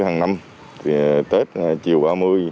hàng năm tết chiều ba mươi